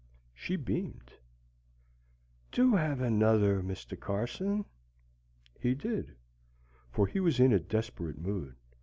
She beamed. "Do have another, Mr. Carson." He did; for he was in a desperate mood.